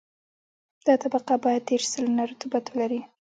دا طبقه باید دېرش سلنه رطوبت ولري